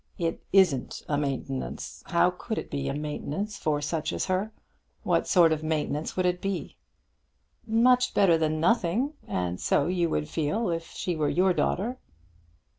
"It isn't a maintenance. How could it be a maintenance for such as her? What sort of maintenance would it be?" "Much better than nothing. And so you would feel if she were your daughter."